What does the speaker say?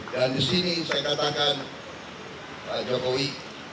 dan disini saya katakan pak jokowi